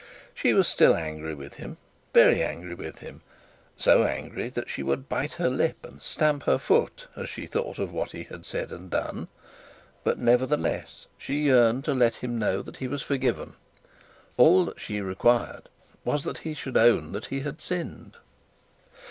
She was still angry with him, very angry with him; so angry that she would bit her lip and stamp her foot as she thought of what he had said and done. But nevertheless she yearned to let him know that he was forgiven; all that she required was that he should own that he had sinned.